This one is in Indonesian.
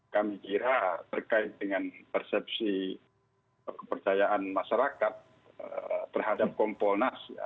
kami kira terkait dengan persepsi kepercayaan masyarakat terhadap kompolnas